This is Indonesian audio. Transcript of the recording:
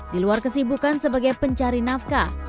di luar kesibukan sebagai pencari nafkah